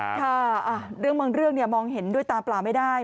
ค่ะเรื่องบางเรื่องมองเห็นด้วยตาเปล่าไม่ได้